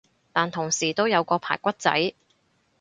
但同時都有個排骨仔